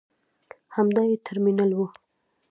همدا یې ترمینل و.